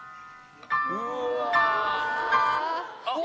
うわ。